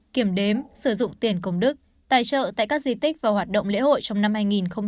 kiểm đếm sử dụng tiền công đức tài trợ tại các di tích và hoạt động lễ hội trong năm hai nghìn hai mươi